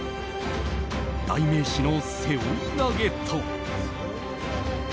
代名詞の背負い投げと。